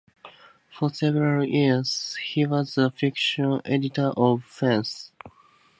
For several years he was the fiction editor of "Fence".